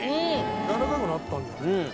やわらかくなったんじゃない。